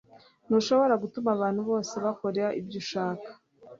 ntushobora gutuma abantu bose bakora ibyo ushaka